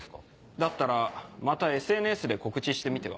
だったらまたＳＮＳで告知してみては。